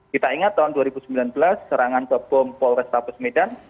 kita ingat tahun dua ribu sembilan belas serangan ke bom polrestabes medan